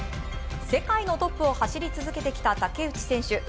世界のトップを走り続けてきた竹内選手。